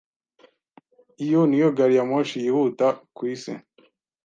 Iyo niyo gari ya moshi yihuta kwisi.